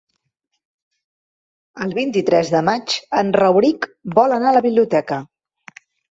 El vint-i-tres de maig en Rauric vol anar a la biblioteca.